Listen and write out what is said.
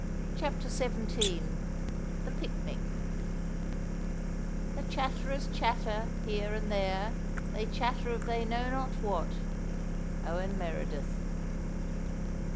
CHAPTER XVII THE PICNIC "The chatterers chatter, here and there, They chatter of they know not what." OWEN MEREDITH.